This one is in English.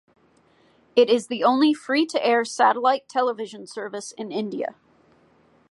It is the only free-to-air satellite television service in India.